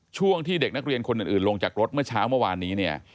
ช่วงที่เด็กนักเรียนคนอื่นลงจากรถเมื่อเช้าเมื่อวานนี้เนี่ย